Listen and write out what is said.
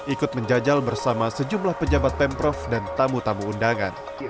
ikut menjajal bersama sejumlah pejabat pemprov dan tamu tamu undangan